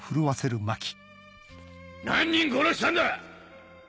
何人殺したんだ！